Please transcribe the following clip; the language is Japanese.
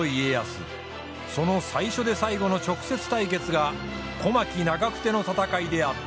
その最初で最後の直接対決が小牧・長久手の戦いであった。